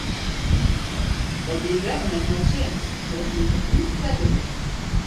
Dat wie beppe net nei it sin mar dat hie foar ús better west.